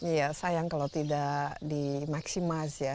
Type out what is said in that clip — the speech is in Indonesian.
iya sayang kalau tidak di maximize ya